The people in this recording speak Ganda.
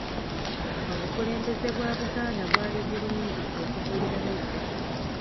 Obukulembeze bwa Buganda bwali bulungi okuva edda n'edda.